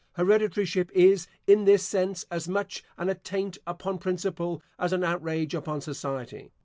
Hereditaryship is, in this sense, as much an attaint upon principle, as an outrage upon society.